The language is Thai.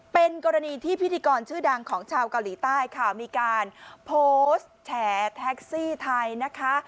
เป็นกรณีที่พิธีกรชื่อดังของชาวเกาหลีใต้ค่ะมีการโพสต์แฉแท็กซี่ไทยนะคะ